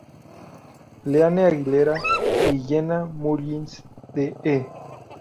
Leanne Aguilera y Jenna Mullins de E!